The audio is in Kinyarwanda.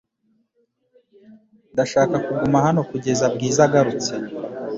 Ndashaka kuguma hano kugeza Bwiza agarutse .